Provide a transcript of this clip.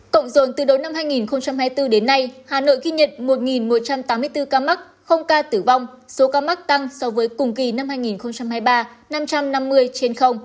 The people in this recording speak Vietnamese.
cộng dồn từ đầu năm hai nghìn hai mươi bốn đến nay hà nội ghi nhận một một trăm tám mươi bốn ca mắc không ca tử vong số ca mắc tăng so với cùng kỳ năm hai nghìn hai mươi ba năm trăm năm mươi trên